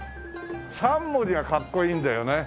３文字がかっこいいんだよね。